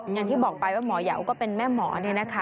อย่างที่บอกไปว่าหมอยาวก็เป็นแม่หมอนี่นะคะ